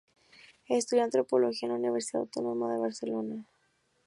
Estudió antropología en la Universidad Autónoma de Barcelona.